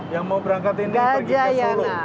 yang mau berangkat ini pergi ke solo